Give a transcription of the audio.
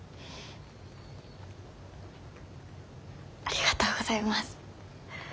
ありがとうございます。